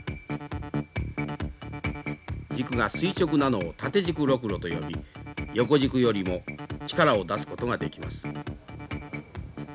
軸が垂直なのを縦軸ロクロと呼び横軸よりも力を出すことができます。